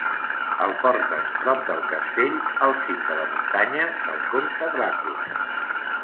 El porten prop del castell al cim de la muntanya del Comte Dràcula.